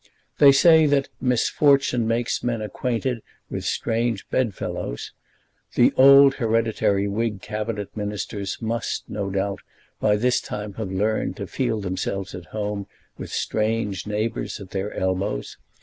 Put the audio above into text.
They say that "misfortune makes men acquainted with strange bedfellows." The old hereditary Whig Cabinet ministers must, no doubt, by this time have learned to feel themselves at home with strange neighbours at their elbows.